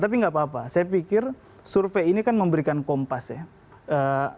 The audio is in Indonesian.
tapi nggak apa apa saya pikir survei ini kan memberikan kompas ya